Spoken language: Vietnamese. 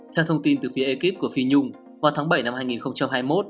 theo thông tin từ phía ekip của phi nhung vào tháng bảy năm hai nghìn hai mươi một